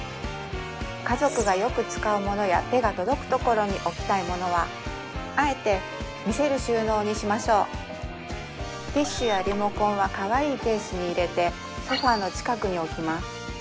家族がよく使うものや手が届くところに置きたいものはあえて見せる収納にしましょうティッシュやリモコンはかわいいケースに入れてソファの近くに置きます